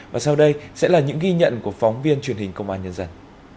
và sau đây sẽ là những ghi nhận của phóng viên truyền hình công an nhân dân